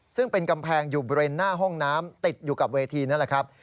ซึ่งเป็นกำแพงอยู่บริเวณหน้าห้องน้ำติดอยู่กับเวทีนั่นแหละครับ